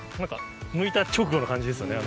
むいた直後の感じですよね。